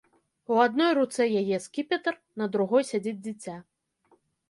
У адной руцэ яе скіпетр, на другой сядзіць дзіця.